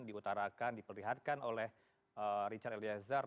diutarakan diperlihatkan oleh richard eliezer